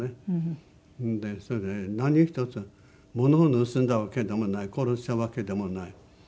それで何ひとつ物を盗んだわけでもない殺したわけでもない。